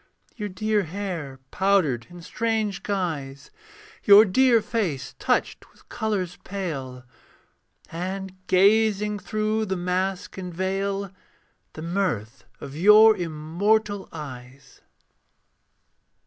Your dear hair powdered in strange guise, Your dear face touched with colours pale: And gazing through the mask and veil The mirth of your immortal eyes.